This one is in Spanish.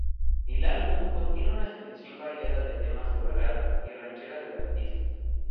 El álbum contiene una selección variada de temas de balada y ranchera del artista.